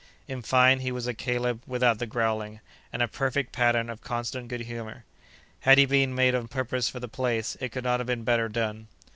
In fine, he was a Caleb without the growling, and a perfect pattern of constant good humor. Had he been made on purpose for the place, it could not have been better done.